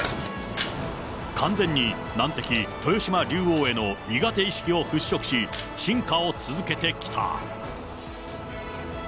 完全に難敵、豊島竜王への苦手意識を払拭し、進化を続けてきた。